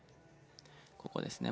ここですね。